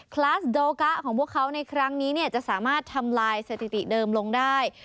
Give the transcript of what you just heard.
คลาสโดกะของพวกเขาในครั้งนี้จะสามารถทำลายสถิติเดิมลงได้